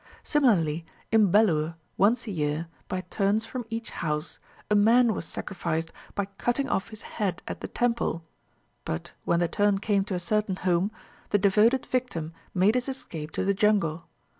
Similarly, in Bellur, once a year, by turns from each house, a man was sacrificed by cutting off his head at the temple; but, when the turn came to a certain home, the devoted victim made his escape to the jungle.